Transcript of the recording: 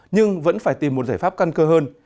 nhưng vẫn phải tìm một giải pháp căn cơ hơn